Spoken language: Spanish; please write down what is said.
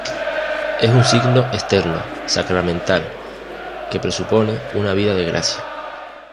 Es un signo externo, sacramental, que presupone una vida de gracia.